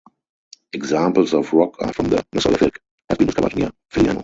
Examples of rock art from the Mesolithic have been discovered near Filiano.